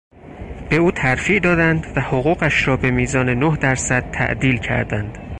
به او ترفیع دادند و حقوقش را به میزان نه درصد تعدیل کردند.